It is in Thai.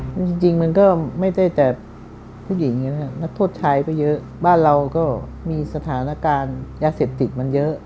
จริงจริงมันก็ไม่ได้แต่ผู้หญิงนะครับนักโทษชายก็เยอะบ้านเราก็มีสถานการณ์ยาเสพติดมันเยอะ